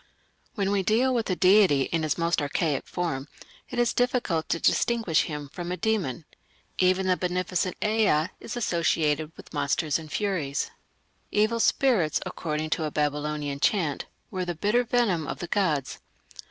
When we deal with a deity in his most archaic form it is difficult to distinguish him from a demon. Even the beneficent Ea is associated with monsters and furies. "Evil spirits", according to a Babylonian chant, were "the bitter venom of the gods".